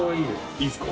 いいですか？